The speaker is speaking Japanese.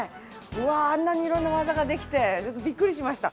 うわああんなに色んな技ができてビックリしました。